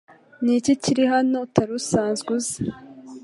Ni iki kiri hano utarusanzwe uzi?